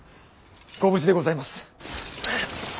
ご無事でございます。